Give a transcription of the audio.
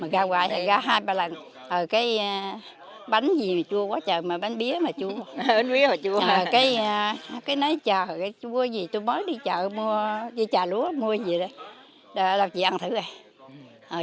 cái nói trời tôi mới đi chợ mua dưa trà lúa mua gì đấy là chị ăn thử rồi